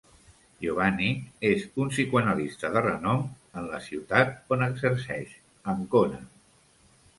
Giovanni és un psicoanalista de renom a la ciutat on exerceix, Ancona.